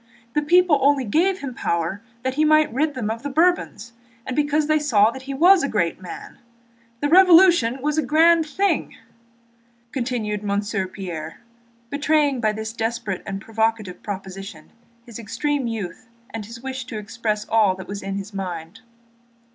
The people only gave him power that he might rid them of the Bourbons and because they saw that he was a great man. The Revolution was a grand thing!" continued Monsieur Pierre, betraying by this desperate and provocative proposition his extreme youth and his wish to express all that was in his mind.